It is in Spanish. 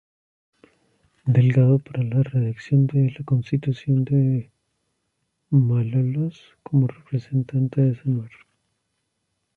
Delegado para la redacción de la Constitución de Malolos como representante de Samar.